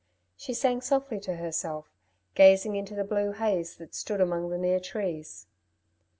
She sang softly to herself, gazing into the blue haze that stood among the near trees.